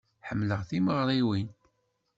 Ḥemmleɣ timeɣriwin.